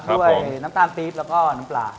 ด้วยน้ำตาลปี๊บแล้วก็น้ำปลา